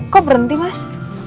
kok berhenti mas